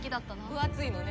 分厚いのね。